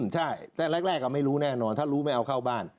ใช่แต่แรกไม่รู้แน่นอนถ้ารู้ไม่เอาเข้าบ้าน